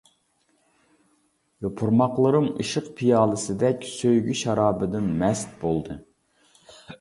يوپۇرماقلىرىم ئىشق پىيالىسىدەك سۆيگۈ شارابىدىن مەست بولدى.